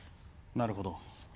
なるほど。